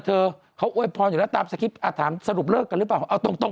ถ้าเกิดมีคู่รักมาเราจะบอกคุณแม่พักก่อน